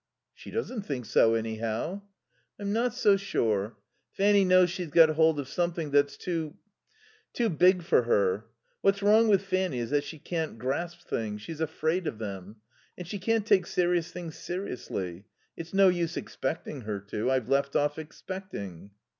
"She doesn't think so, anyhow." "I'm not so sure. Fanny knows she's got hold of something that's too too big for her. What's wrong with Fanny is that she can't grasp things. She's afraid of them. And she can't take serious things seriously. It's no use expecting her to. I've left off expecting."